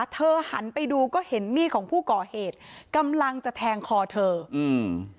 หันไปดูก็เห็นมีดของผู้ก่อเหตุกำลังจะแทงคอเธออืม